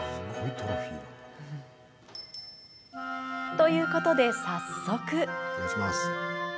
ということで早速。